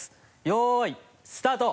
よいスタート！